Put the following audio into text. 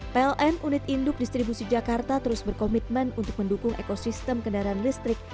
pln uid jakarta terus berkomitmen untuk mendukung ekosistem kendaraan listrik